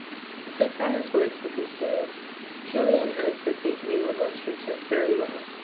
So far as words were concerned, Julien answered these new remonstrances very well.